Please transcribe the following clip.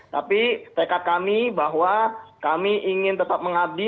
tapi tekad kami bahwa kami ingin tetap mengabdi